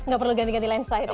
gak perlu ganti ganti lensa ya mas